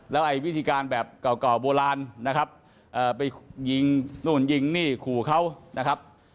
แล้วไอ้วิธีการแบบเก่าโบราณนะครับไปยิงนู่นยิงนี่ขู่เขานะครับ